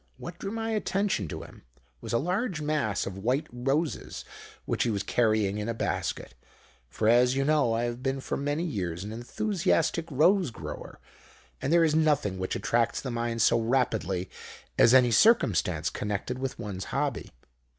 What drew my attention to him was a large mass of white roses which he was carrying in a basket; for, as you know, I have been for many years an enthusiastic rose grower, and there is nothing which attracts the mind so rapidly as any circumstance connected with one's hobby.